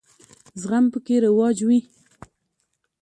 زغم پکې رواج وي.